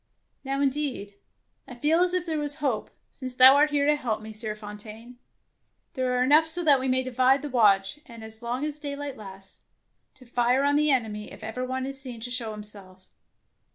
" Now indeed I feel as if there was hope, since thou art here to help me, Sieur Fontaine. There are enough so that we may divide the watch, and as long as daylight lasts, to fire on the enemy if ever one is seen to show him self.